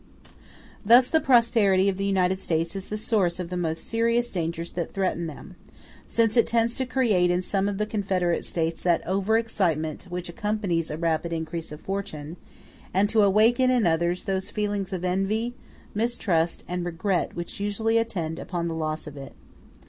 ] Thus the prosperity of the United States is the source of the most serious dangers that threaten them, since it tends to create in some of the confederate States that over excitement which accompanies a rapid increase of fortune; and to awaken in others those feelings of envy, mistrust, and regret which usually attend upon the loss of it.